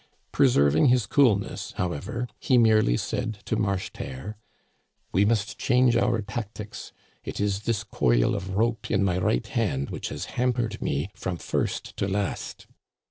Preserving his coolness, however, he merely said to Marcheterre :" We must change our tactics. It is this coil of rope in my right hand which has hampered me from first to last."